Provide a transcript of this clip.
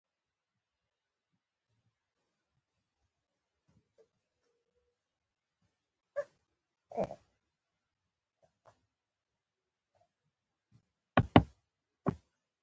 مېلمه ته د زړه زور ورکړه.